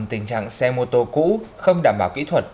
tình trạng xe mô tô cũ không đảm bảo kỹ thuật